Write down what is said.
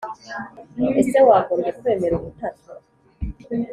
Ese wagombye kwemera Ubutatu